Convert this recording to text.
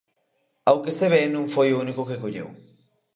Ao que se ve non foi o único que colleu.